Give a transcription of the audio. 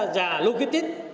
và lưu ký